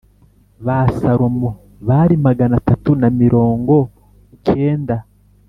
Ba salomo bari magana atatu na mirongo kenda